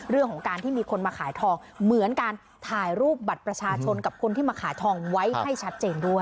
เรื่องของการที่มีคนมาขายทองเหมือนการถ่ายรูปบัตรประชาชนกับคนที่มาขายทองไว้ให้ชัดเจนด้วย